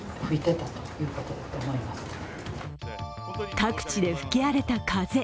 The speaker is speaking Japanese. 各地で吹き荒れた風。